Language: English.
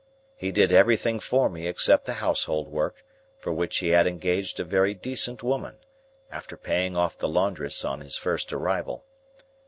He did everything for me except the household work, for which he had engaged a very decent woman, after paying off the laundress on his first arrival.